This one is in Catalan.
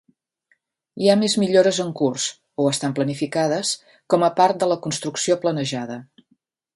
Hi ha més millores en curs o estan planificades com a part de la construcció planejada.